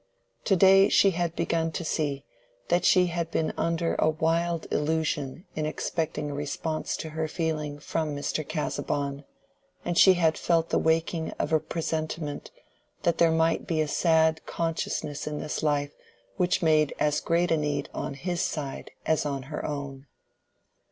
Today she had begun to see that she had been under a wild illusion in expecting a response to her feeling from Mr. Casaubon, and she had felt the waking of a presentiment that there might be a sad consciousness in his life which made as great a need on his side as on her own.